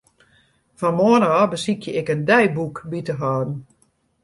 Fan moarn ôf besykje ik in deiboek by te hâlden.